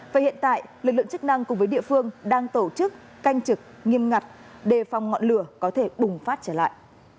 và hiện tại lực lượng chức năng cùng với địa phương đang tổ chức canh trực nghiêm ngặt đề phòng ngọn lửa có thể bùng phát trở lại